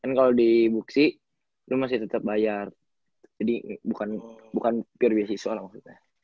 kan kalo di book city lu masih tetep bayar jadi bukan pure beasiswa lah maksudnya